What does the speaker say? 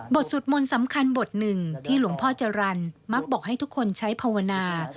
สวดมนต์สำคัญบทหนึ่งที่หลวงพ่อจรรย์มักบอกให้ทุกคนใช้ภาวนา